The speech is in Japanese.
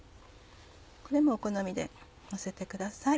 これもお好みでのせてください。